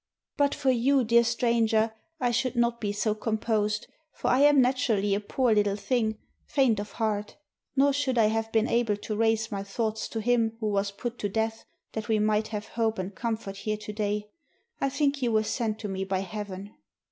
33^ FRANCE "But for you, dear stranger, I should not be so com posed, for I am naturally a poor little thing, faint of heart; nor should I have been able to raise my thoughts to Him who was put to death, that we might have hope and comfort here to day. I think you were sent to me by Heaven."